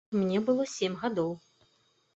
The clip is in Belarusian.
Мне было сем гадоў.